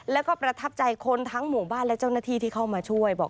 แล้วก็ประทับใจคนทั้งหมู่บ้านและเจ้าหน้าที่ที่เข้ามาช่วยบอก